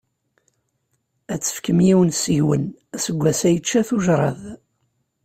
Ad tefkem yiwen seg-wen, aseggas-a yečča-t ujrad.